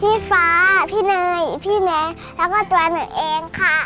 พี่ฟ้าพี่เนยพี่แนะแล้วก็ตัวหนูเองค่ะ